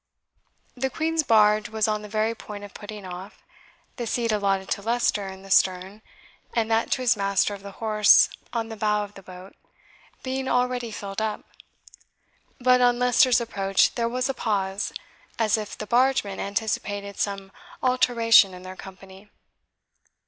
The Queen's barge was on the very point of putting off, the seat allotted to Leicester in the stern, and that to his master of the horse on the bow of the boat, being already filled up. But on Leicester's approach there was a pause, as if the bargemen anticipated some alteration in their company.